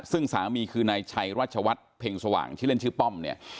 ซึ่งสามีคือนายชัยรัชวัฒน์เพ็งสว่างชื่อเล่นชื่อป้อมเนี่ย